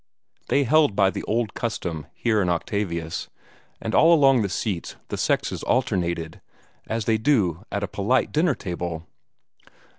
They held by the old custom, here in Octavius, and all along the seats the sexes alternated, as they do at a polite dinner table.